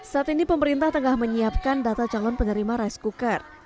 saat ini pemerintah tengah menyiapkan data calon penerima rice cooker